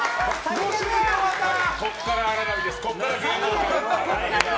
ここから荒波です。